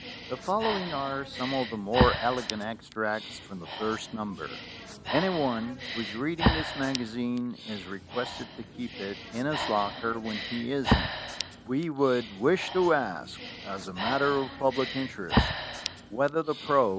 The following are some of the more elegant extracts from the first number : "Anyone who is reading this magazine is requested to keep it in his locker when he isn't. "We would wish to ask, as a matter of public in terest, whether the pro.